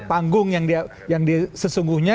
panggung yang dia sesungguhnya